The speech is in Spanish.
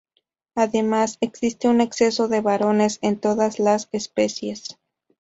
Además, existe un exceso de varones en todas las especies.